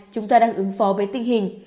chúng ta đang ứng phó với tình hình